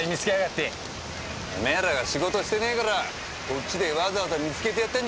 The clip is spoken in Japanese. てめえらが仕事してねえからこっちでわざわざ見つけてやったんじゃねえかよ！